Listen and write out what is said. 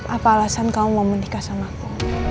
apa alasan kamu mau menikah sama aku